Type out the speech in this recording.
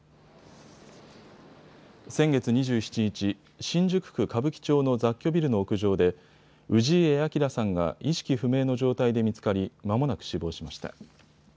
先月２７日、新宿区歌舞伎町の雑居ビルの屋上で氏家彰さんが意識不明の状態で見つかりまもなく死亡しました。